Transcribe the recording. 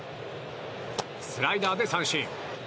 スライダーで三振。